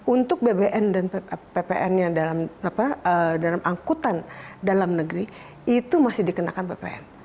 untuk bbm dan ppn nya dalam angkutan dalam negeri itu masih dikenakan ppn